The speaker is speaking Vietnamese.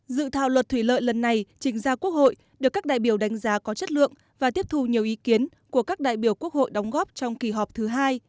dự thảo luật thủy lợi lần này trình ra quốc hội được các đại biểu đánh giá có chất lượng và tiếp thu nhiều ý kiến của các đại biểu quốc hội đóng góp trong kỳ họp thứ hai